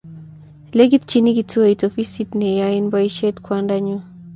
lekitjini kituoit ofisit ne yoen boisiet kwanda nyu